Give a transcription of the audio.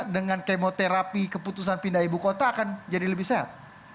dengan kemoterapi keputusan pindah ibu kota akan jadi lebih sehat